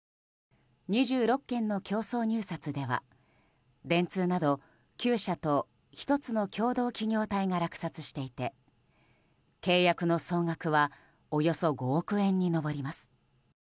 ２６件の競争入札では電通など９社と１つの共同企業体が落札していて契約の総額はおよそ５億円に上ります。